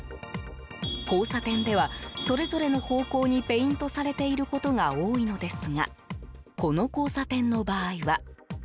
交差点では、それぞれの方向にペイントされていることが多いのですがこの交差点の場合は。